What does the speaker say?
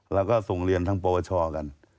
เราก็ส่งเรียนทางปวชกัน